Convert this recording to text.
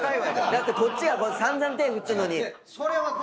だってこっちが散々手振ってんのに。